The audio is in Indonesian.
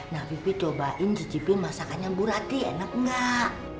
nah vivi cobain cicipin masakannya bu rati enak gak